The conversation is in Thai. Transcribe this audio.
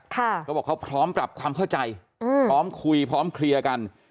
เขาบอกเขาพร้อมปรับความเข้าใจพร้อมคุยพร้อมเคลียร์กัน